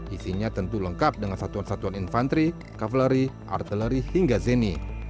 isinya tentu lengkap dengan satuan satuan infanteri kavaleri artileri hingga zeni